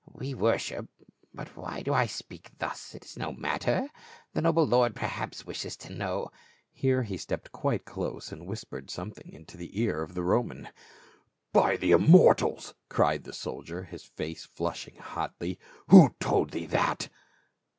We worship — but why do I speak thus, it is no matter : the noble lord perhaps wishes to know —" here he stepped quite close and whispered something into the ear of the Roman. " By the immortals !" cried the soldier, his face flushing hotly, " Who told thee that?"